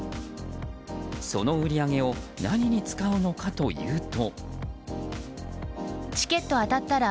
その売り上げを何に使うのかというと。